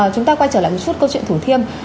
chúng ta quay trở lại một chút câu chuyện thủ thiêm